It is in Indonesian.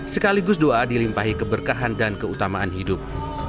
sekaligus doa dilimpahi keberkahan dan keutamaan hidup